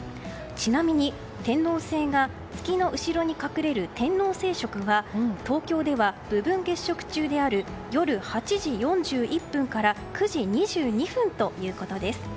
ちなみに、天王星が月の後ろに隠れる天王星食は、東京では部分月食中である夜８時４１分から９時２２分ということです。